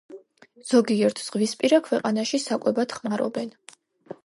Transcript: ზოგიერთ ზღვისპირა ქვეყანაში საკვებად ხმარობენ.